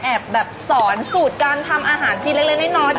แบบสอนสูตรการทำอาหารจีนเล็กน้อย